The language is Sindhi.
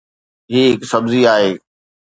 هي هڪ سبزي آهي